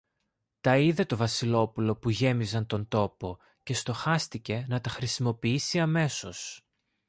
Τα είδε το Βασιλόπουλο που γέμιζαν τον τόπο, και στοχάστηκε να τα χρησιμοποιήσει αμέσως.